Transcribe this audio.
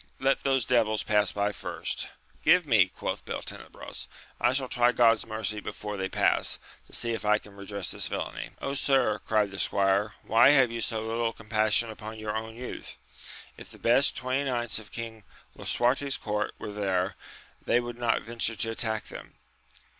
Let those devils pass by first. Give me ! quoth Beltenebros, I shall try God's mercy before they pass, to see if I can re dress this villainy. sir, cried the squire, why have you so little compassion upon your own youth ! if the best twenty knights of King Lisuarte*s court were here, they would not venture to attack them.